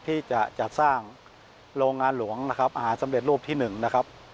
ที่จะจัดสร้างโรงงานหลวงนะครับอาหารสำเร็จรูปที่๑นะครับ